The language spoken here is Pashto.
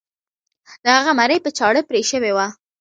د هغه مرۍ په چاړه پرې شوې وه.